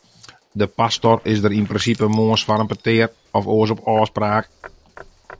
De pastor is der yn prinsipe moarns foar in petear, of oars op ôfspraak.